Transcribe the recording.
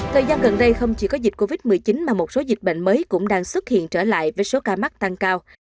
thời gian gần đây không chỉ có dịch covid một mươi chín mà một số dịch bệnh mới cũng đang xuất hiện trở lại với số ca mắc tăng cao